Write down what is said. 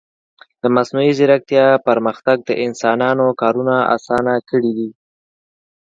د مصنوعي ځیرکتیا پرمختګ د انسانانو کارونه آسانه کړي دي.